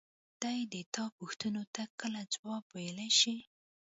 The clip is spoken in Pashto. دى د تا پوښتنو ته کله ځواب ويلاى شي.